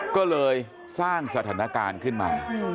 ก็เลยสร้างสถานการณ์ขึ้นมา